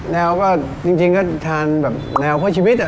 แนวก็จริงก็ทานแบบแนวข้อชีวิตอ่ะ